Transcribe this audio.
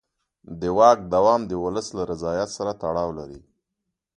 د واک دوام د ولس له رضایت سره تړاو لري